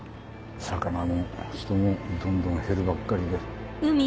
魚も人もどんどん減るばっかりで。